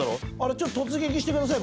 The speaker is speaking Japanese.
ちょっと突撃してください。